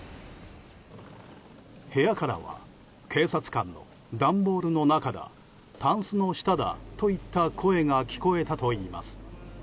部屋からは警察官の段ボールの中だたんすの下だといった声が聞こえたといいます。